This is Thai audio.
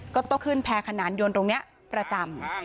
ก็ต้องขึ้นแพรขนานยนต์ตรงนี้ประจำ